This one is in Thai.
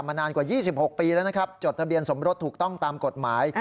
นานกว่า๒๖ปีแล้วนะครับจดทะเบียนสมรสถูกต้องตามกฎหมาย